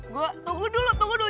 gue tunggu dulu tunggu dulu